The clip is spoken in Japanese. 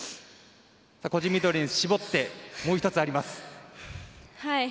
個人メドレーに絞ってもう１つ、あります。